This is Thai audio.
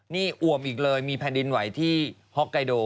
นี่อวมอีกเลยมีแผ่นดินไหวที่ฮอกไกโด